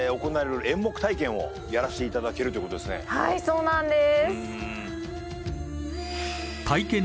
はいそうなんです。